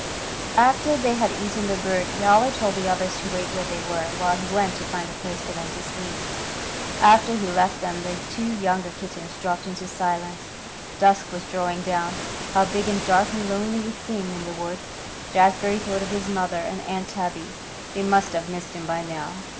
After they had eaten the bird Yowler told the others to wait where they were, while he went on to find a place for them to sleep. After he left them the two younger kittens dropped into silence. Dusk was drawing down. How big and dark and lonely it seemed in the wood. Jazbury thought of his mother and Aunt Tabby. They must have missed him by now.